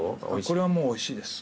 これはもうおいしいです。